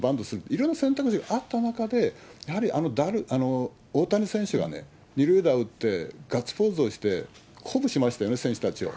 いろんな選択肢があった中で、やはりあの大谷選手が２塁打を打ってガッツポーズをして、鼓舞しましたよね、選手たちを。